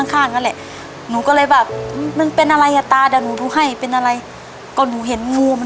แผลไม่เปรี้ยวใช่ไหม